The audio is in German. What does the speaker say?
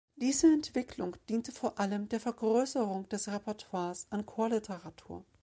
Diese Entwicklung diente vor allem der Vergrößerung des Repertoires an Chorliteratur.